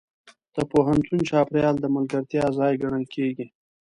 د پوهنتون چاپېریال د ملګرتیا ځای ګڼل کېږي.